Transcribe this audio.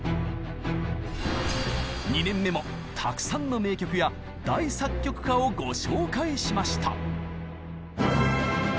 ２年目もたくさんの名曲や大作曲家をご紹介しました。